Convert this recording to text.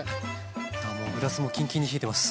ああもうグラスもキンキンに冷えてます！